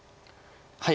はい。